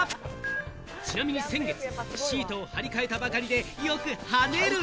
ちなみに先月、シートを張り替えたばかりで、よく跳ねる。